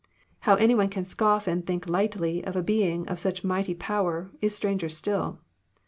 How any one can scoff and think lightly of a being of such mighty power, is stranger still.